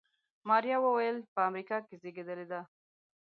ماريا وويل په امريکا کې زېږېدلې ده.